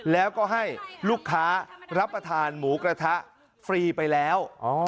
แล้วก็ให้ลูกค้ารับประทานหมูกระทะฟรีไปแล้ว